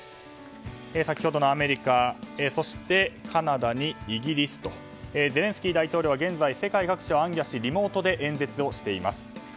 先ほどのアメリカそしてカナダにイギリスとゼレンスキー大統領は現在世界各地を行脚しリモートで演説をしています。